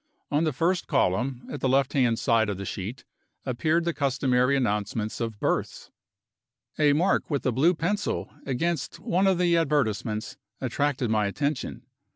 On the first column, at the left hand side of the sheet, appeared the customary announcements of Births. A mark with a blue pencil, against one of the advertisements, attracted my attention.